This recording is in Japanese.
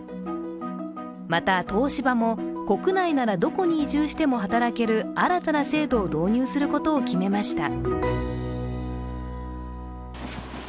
また東芝も、国内ならどこに移住しても働ける新たな制度を導入することを決めました。